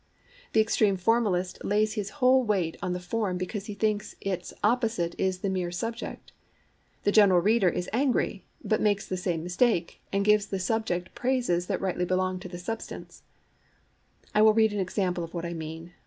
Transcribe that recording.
The extreme formalist lays his whole weight on the form because he thinks its opposite is the mere subject. The general reader is angry, but makes the same mistake, and gives to the[Pg 17] subject praises that rightly belong to the substance. I will read an example of what I mean.